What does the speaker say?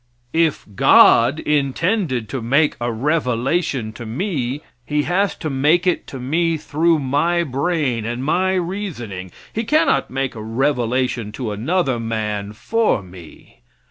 If God intended to make a revelation to me He has to make it to me through my brain and my reasoning. He cannot make a revelation to another man for me.